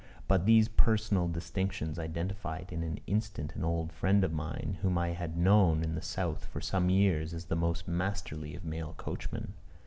But these personal distinctions identified in an instant an old friend of mine, whom I had known in the south for some years as the most masterly of mail coachmen.